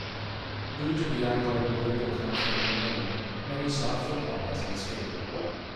Due to the ongoing political conflict in Yemen, many sought football as an escape.